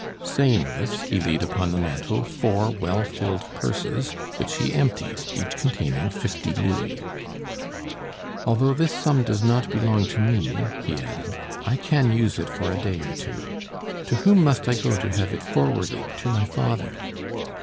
Saying this, he laid upon the mantel four well filled purses, which he emptied, each containing fifty louis. "Although this sum does not belong to me," he added, "I can use it for a day or two. To whom must I go to have it forwarded to my father?"